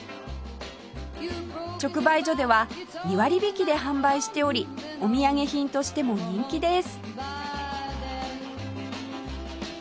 直売所では２割引きで販売しておりお土産品としても人気です